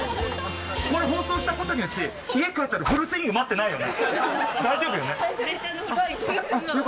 これを放送したことによって家に帰ったらフルスイング待ってないよね？